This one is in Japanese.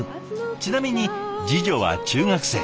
ちなみに次女は中学生。